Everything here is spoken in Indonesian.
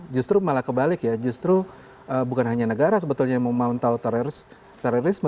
justru malah kebalik ya justru bukan hanya negara sebetulnya yang memantau terorisme